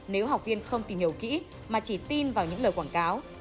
nếu học viên không tìm hiểu kỹ mà chỉ tin vào những lời quảng cáo